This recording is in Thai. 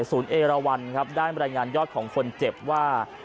ศูนย์เอริวัลด์ได้บรรยายงานยอดของคนเจ็บว่า